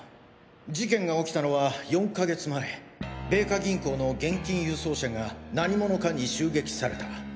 事件が起きたのは４か月前米花銀行の現金輸送車が何者かに襲撃された。